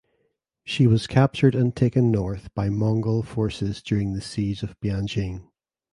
She was captured and taken north by Mongol forces during the siege of Bianjing.